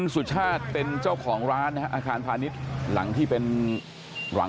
สวยชีวิตทั้งคู่ก็ออกมาไม่ได้อีกเลยครับ